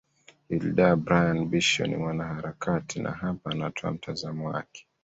hilda brian bisho ni mwanaharakati na hapa anatoa mtazamo wake